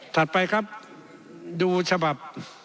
ถัดไปครับดูฉบับ